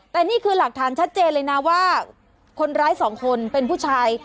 แต่นี่คือหลักฐานชัดเจนเลยนะว่าคนร้ายสองคนเป็นผู้ชาย